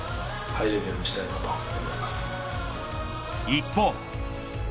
一方。